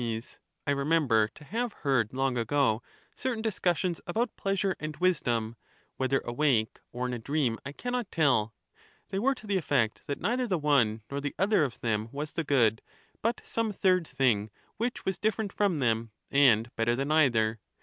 Sac, I remember to have heard long ago certain discus sions about pleasure and wisdom, whether awake or in a dream I cannot tell ; they were to the effect that neither the one nor the other of them was the good, but some third thing, which was different from them, and better than either.